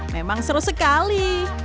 memang seru sekali